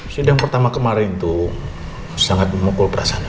sidang pertama kemarin tuh sangat memukul perasaan mama